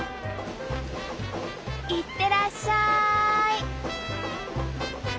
いってらっしゃい。